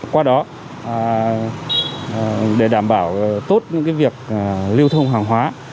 qua đó để đảm bảo tốt những việc lưu thông hàng hóa